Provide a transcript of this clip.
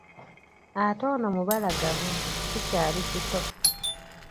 Ate ono mubalagavu, kikyali kito.